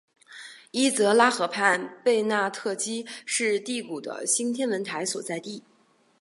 伊泽拉河畔贝纳特基是第谷的新天文台所在地。